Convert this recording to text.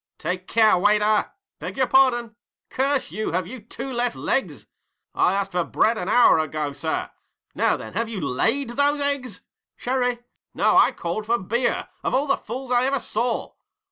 'Take care, waiter!' 'Beg your pardon.' 'Curse you, have you two left legs?' 'I asked for bread an hour ago, sir!' 'Now then, have you laid those eggs?' 'Sherry!' 'No, I called for beer of all the fools I ever saw!'